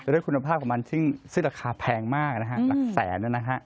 ด้วยคุณภาพของมันซึ่งราคาแพงมากนะฮะหลักแสนนะฮะ